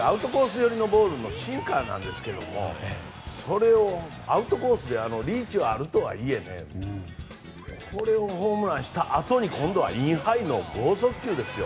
寄りのボールのシンカーなんですがそれをアウトコースでリーチがあるとはいえこれをホームランにしたあとに今度はインハイの豪速球ですよ。